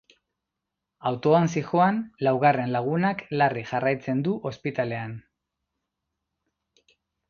Autoan zihoan laugarren lagunak larri jarraitzen du ospitalean.